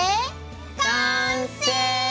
完成！